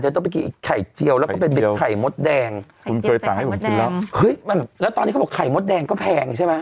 หาไข่อย่างอื่นกินไปก่อน